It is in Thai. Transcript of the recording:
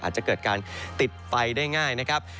อาจจะเกิดการติดไฟได้ง่ายนะครับ